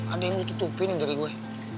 ada yang ditutupin yang dari gue